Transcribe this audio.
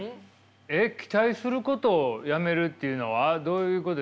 えっ期待することをやめるというのはどういうことですか？